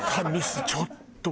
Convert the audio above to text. ちょっと。